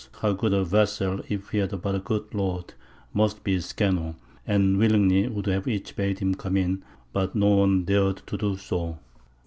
_ how good a vassal if he had but a good lord! must be scanno?] and willingly would each have bade him come in, but no one dared so to do.